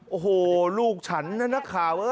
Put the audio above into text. โอ้โหลูกฉันนะนักข่าว